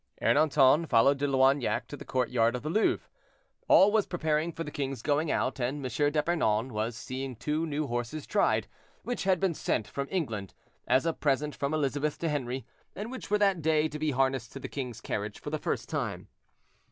Ernanton followed De Loignac to the courtyard of the Louvre. All was preparing for the king's going out, and M. d'Epernon was seeing two new horses tried, which had been sent from England, as a present from Elizabeth to Henri, and which were that day to be harnessed to the king's carriage for the first time.